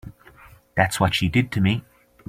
That's what she did to me.